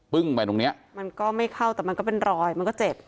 ไปตรงเนี้ยมันก็ไม่เข้าแต่มันก็เป็นรอยมันก็เจ็บ